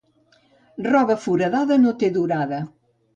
Roba foradada no té durada.